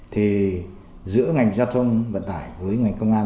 thì giữa ngành giao thông vận tải với ngành công an